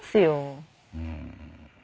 うん。